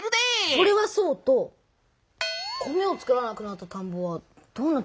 それはそうと米を作らなくなったたんぼはどうなってしまうんですか？